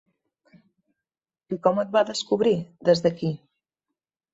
I com et va descobrir, des d’aquí ?